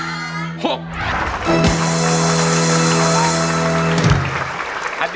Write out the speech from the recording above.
เลือกได้อีกแผ่นหนึ่ง